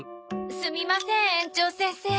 すみません園長先生。